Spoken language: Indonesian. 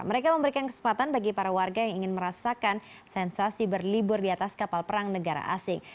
mereka memberikan kesempatan bagi para warga yang ingin merasakan sensasi berlibur di atas kapal perang negara asing